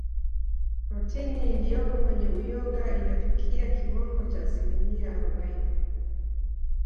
Protini iliyoko kwenye Uyoga inafikia kiwango cha asilimia arobaini